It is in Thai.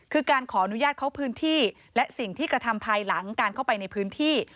คือการขออนุญาตเข้าพื้นที่และสิ่งที่กระทำภายหลังการเข้าไปในพื้นที่